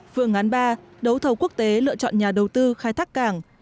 phương án ba đấu thầu quốc tế lựa chọn nhà đầu tư khai thác cảng